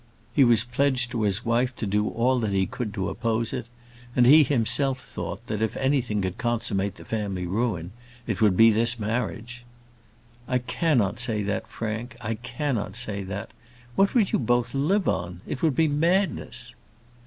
He was pledged to his wife to do all that he could to oppose it; and he himself thought, that if anything could consummate the family ruin, it would be this marriage. "I cannot say that, Frank; I cannot say that. What would you both live on? It would be madness."